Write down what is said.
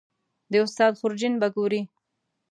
د استاد خورجین به ګورې